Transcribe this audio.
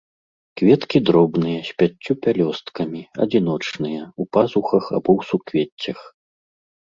Кветкі дробныя, з пяццю пялёсткамі, адзіночныя, у пазухах або ў суквеццях.